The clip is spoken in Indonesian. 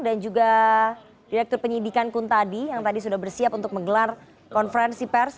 dan juga direktur penyidikan kuntadi yang tadi sudah bersiap untuk menggelar konferensi pers